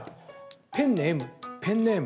ペンネエム、ペンネーム。